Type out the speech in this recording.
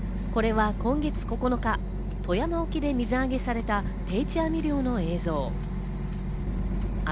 これは今月９日、富山沖で水揚げされた定置網漁の映像。